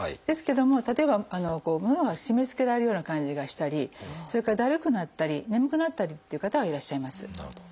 ですけども例えばのどが締めつけられるような感じがしたりそれからだるくなったり眠くなったりっていう方がいらっしゃいます。